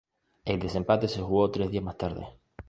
El desempate se jugó tres días más tarde.